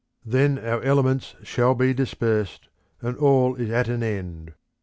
Then our elements shall be dispersed and all is at an end.